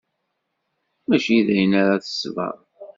Mačči dayen ara tesber.